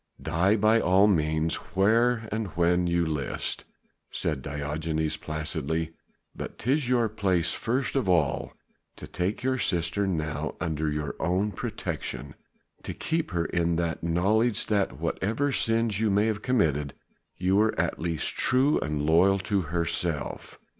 "Die by all means when and where you list," said Diogenes placidly, "but 'tis your place first of all to take your sister now under your own protection, to keep her in the knowledge that whatever sins you may have committed you were at least true and loyal to herself.